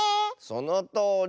そのとおり。